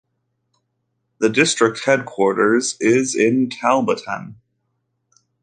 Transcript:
The district headquarters is in Talbotton.